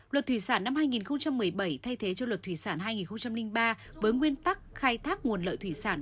luật thủy sản năm hai nghìn một mươi bảy thay thế cho luật thủy sản hai nghìn ba với nguyên tắc khai thác nguồn lợi thủy sản